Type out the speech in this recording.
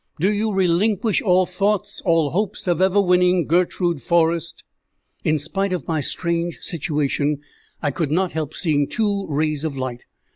Do you relinquish all thoughts, all hopes, of ever winning Gertrude Forrest?" In spite of my strange situation, I could not help seeing two rays of light.